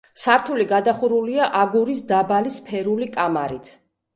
სართული გადახურულია აგურის დაბალი სფერული კამარით.